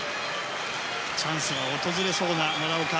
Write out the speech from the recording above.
チャンスが訪れそうな奈良岡。